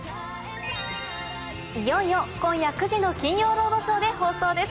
いよいよ今夜９時の『金曜ロードショー』で放送です。